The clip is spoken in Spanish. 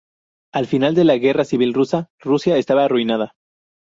Al final de la guerra civil rusa, Rusia estaba arruinada.